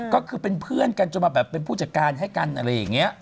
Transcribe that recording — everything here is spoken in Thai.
ก็คือเป็นเพื่อนกันจนมาแบบเป็นผู้จัดการให้กันอะไรอย่างนี้